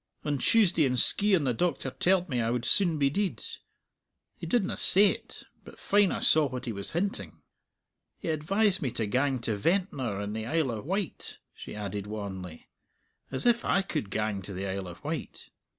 On Tuesday in Skeighan the doctor telled me I would soon be deid; he didna say't, but fine I saw what he was hinting. He advised me to gang to Ventnor in the Isle o' Wight," she added wanly; "as if I could gang to the Isle of Wight.